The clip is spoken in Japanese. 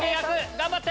頑張って！